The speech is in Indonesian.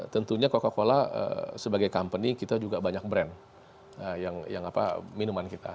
tentunya coca cola sebagai company kita juga banyak brand yang minuman kita